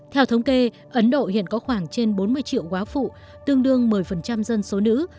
theo thống kê ấn độ hiện có khoảng trên bốn mươi triệu quá phụ tương đương một mươi dân số nữ